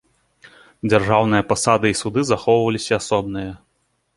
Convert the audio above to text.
Дзяржаўныя пасады і суды захоўваліся асобныя.